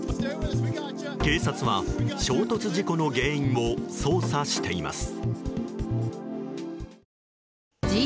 警察は衝突事故の原因を捜査しています。